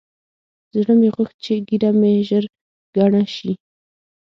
زړه مې غوښت چې ږيره مې ژر گڼه سي.